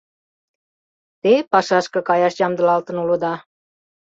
Те пашашке каяш ямдылалтын улыда...